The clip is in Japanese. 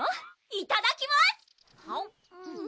いただきます！